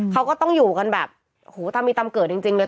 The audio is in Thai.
เขาก็ต้องอยู่กันแบบตามมีตามเกิดจริงเลย